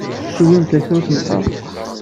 Tewwim-d tasarut meqqar?